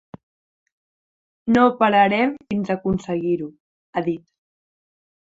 No pararem fins a aconseguir-ho, ha dit.